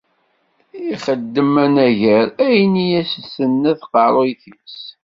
Ixeddem anagar ayen i as-d-tenna tqerruyt-is.